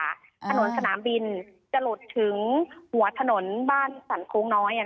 สนามบินจะหลุดถึงหัวถนนบ้านสรรโค้งน้อย